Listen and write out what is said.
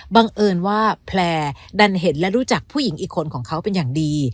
บังเอิญว่าแพลร์ดันเห็นและรู้จักผู้หญิงอีกคนของเขาเป็นอย่างดี